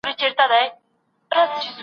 شیرنۍ ته ریشوت وایې ډېر ساده یې